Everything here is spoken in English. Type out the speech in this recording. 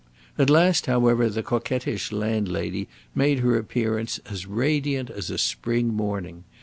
At last, however, the coquettish landlady made her appearance as radiant as a spring morning.